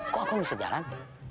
kok bisa jalan